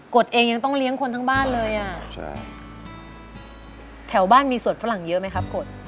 ดเองยังต้องเลี้ยงคนทั้งบ้านเลยอ่ะใช่แถวบ้านมีสวดฝรั่งเยอะไหมครับกด